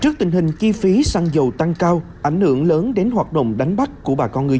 trước tình hình chi phí xăng dầu tăng cao ảnh hưởng lớn đến hoạt động đánh bắt của bà con ngư